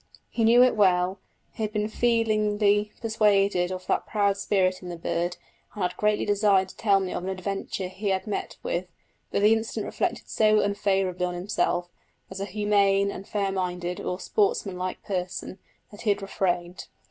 He knew it well; he had been feelingly persuaded of that proud spirit in the bird, and had greatly desired to tell me of an adventure he had met with, but the incident reflected so unfavourably on himself, as a humane and fair minded or sportsmanlike person, that he had refrained.